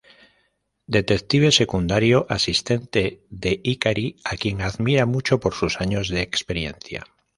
Detective secundario, asistente de Ikari, a quien admira mucho por sus años de experiencia.